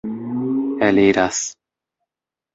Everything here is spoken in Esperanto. eliras